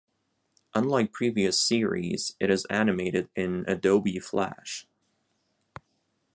Unlike previous series, it is animated in Adobe Flash.